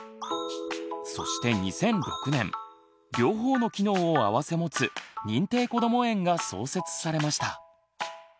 そして２００６年両方の機能をあわせもつ認定こども園が創設されました。